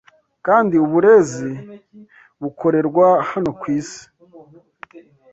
kandi uburezi bukorerwa hano ku isi